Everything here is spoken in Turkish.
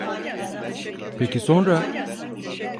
Peki sonra?